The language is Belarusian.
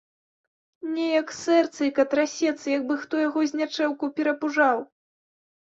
Неяк сэрцайка трасецца, як бы хто яго знячэўку перапужаў.